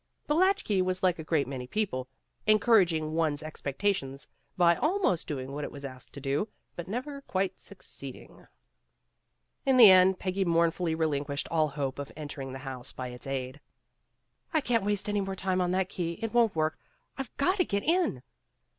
The latch key was like a great many people, encouraging one's ex pectations by almost doing what it was asked to do, but never quite succeeding. In the end 192 PEGGY RAYMOND'S WAY Peggy mournfully relinquished all hope of en tering the house by its aid. "I can't waste any more time on that key. It won 't work, and I Ve got to get in.